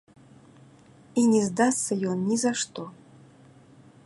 І не здасца ён нізашто.